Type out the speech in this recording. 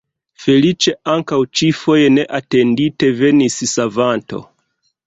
Feliĉe ankaŭ ĉi-foje neatendite venis savanto.